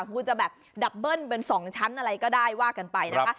คุณจะแบบดับเบิ้ลเป็น๒ชั้นอะไรก็ได้ว่ากันไปนะคะ